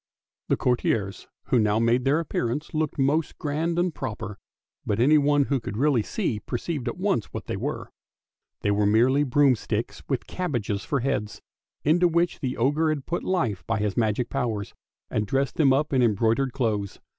The courtiers who now made their appearance looked most grand and proper, but anyone who could really see perceived at once what they were. They were merely broomsticks with cabbages for heads, into which the ogre had put hie by his magic powers and dressed them up in embroidered clothes.